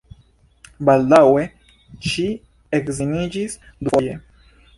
Baldaŭe ŝi edziniĝis dufoje.